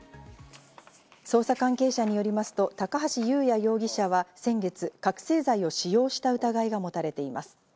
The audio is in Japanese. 捜査関係者によりますと、高橋祐也容疑者は先月、覚せい剤を使用した疑いが持たれています。